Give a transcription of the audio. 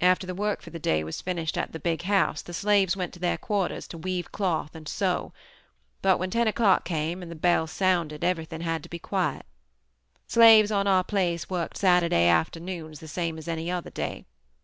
"After the work for the day was finished at the big house, the slaves went to their quarters to weave cloth and sew, but when ten o'clock came and the bell sounded, everything had to be quiet. Slaves on our place worked Saturday afternoons the same as any other day.